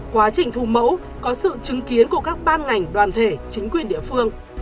quá trình thu mẫu có sự chứng kiến của các ban ngành đoàn thể chính quyền địa phương